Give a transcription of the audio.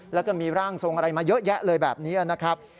แล้วก็มีร่างทรงอะไรมาเยอะแยะเลยแบบนี้นะครับ